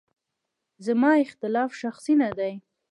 زما اختلاف شخصي نه دی.